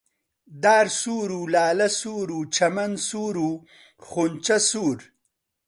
دار سوور و لالە سوور و چەمەن سوور و خونچە سوور